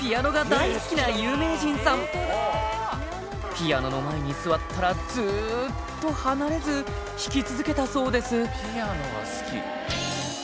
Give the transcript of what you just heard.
ピアノの前に座ったらずっと離れず弾き続けたそうです